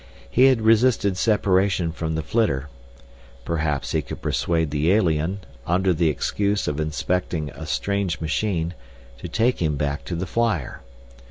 He had resisted separation from the flitter. Perhaps he could persuade the alien, under the excuse of inspecting a strange machine, to take him back to the flyer.